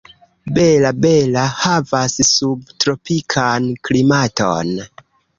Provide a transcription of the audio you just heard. Bela-Bela havas subtropikan klimaton.